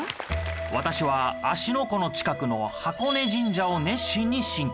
私は芦ノ湖の近くの箱根神社を熱心に信仰。